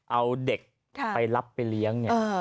เอาเด็กไปรับไปเลี้ยงเนี่ย